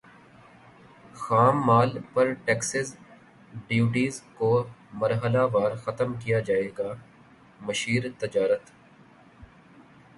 خام مال پر ٹیکسز ڈیوٹیز کو مرحلہ وار ختم کیا جائے گا مشیر تجارت